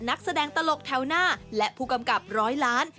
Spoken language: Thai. นักแสดงตลกแถวหน้าและผู้กำกับร้อยล้าน